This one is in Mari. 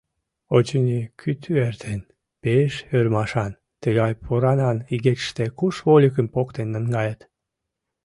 Очыни, кӱтӱ эртен, пеш ӧрмашан, тыгай поранан игечыште куш вольыкым поктен наҥгаят?